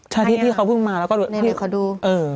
ใช่ที่เขาเพิ่งมาแล้วก็นี่เขาดู